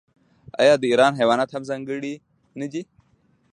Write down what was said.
آیا د ایران حیوانات هم ځانګړي نه دي؟